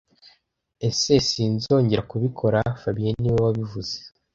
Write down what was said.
Ese Sinzongera kubikora fabien niwe wabivuze